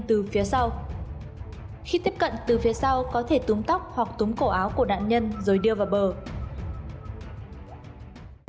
từ phía sau khi tiếp cận từ phía sau có thể túm tóc hoặc túng cổ áo của nạn nhân rồi đưa vào bờ